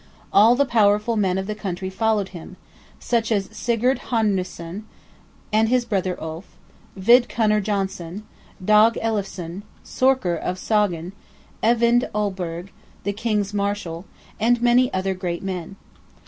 All the powerful men of the country followed him, such as Sigurd Hranesson, and his brother Ulf, Vidkunner Johnsson, Dag Eliffsson, Sorker of Sogn, Eyvind Olboge, the king's marshal, and many other great men."